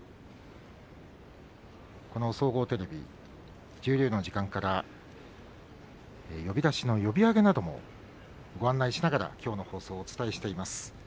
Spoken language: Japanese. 総合テレビ、十両の時間から呼出しの呼び上げなどをご案内しながら、きょうの放送をお伝えしています。